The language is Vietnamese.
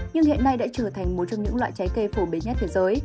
nhưng hiện nay đã trở thành một trong những loại trái cây phổ biến nhất thế giới